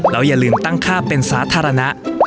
แล้วอย่าลืมตั้งค่าเป็นสาธารณะ